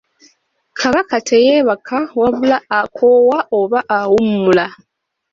Kabaka teyeebaka wabula akoowa oba awummula.